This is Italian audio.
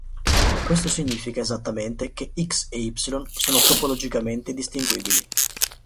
Questo significa esattamente che "x" e "y" sono topologicamente distinguibili.